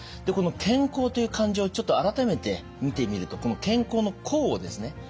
この「健康」という漢字をちょっと改めて見てみるとこの健康の「康」をですね